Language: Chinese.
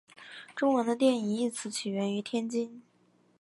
中文的电影一词起源于天津。